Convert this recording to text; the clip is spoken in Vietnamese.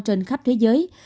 trên khắp thế giới